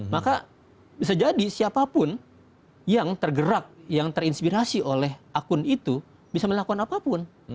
maka bisa jadi siapapun yang tergerak yang terinspirasi oleh akun itu bisa melakukan apapun